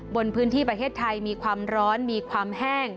บนพื้นที่ประเทศไทยมีความร้อนมีความแห้ง